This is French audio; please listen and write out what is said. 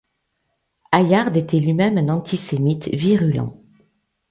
Hayard était lui-même un antisémite virulent.